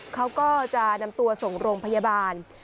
เขาก็จะนำตัวส่งโรงพยาบาล